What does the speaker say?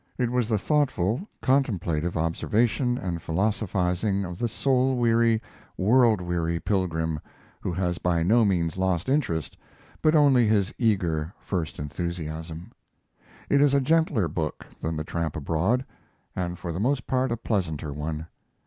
It was the thoughtful, contemplative observation and philosophizing of the soul weary, world weary pilgrim who has by no means lost interest, but only his eager, first enthusiasm. It is a gentler book than the Tramp Abroad, and for the most part a pleasanter one.